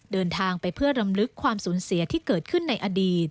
เดินทางไปเพื่อรำลึกความสูญเสียที่เกิดขึ้นในอดีต